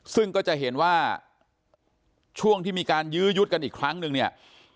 ซึ่งก็จะเห็นว่าช่วงที่มีการยื้อยุดกันอีกครั้งนึงเนี่ย